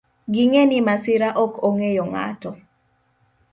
Ging'e ni masira ok ong'eyo ng'ato.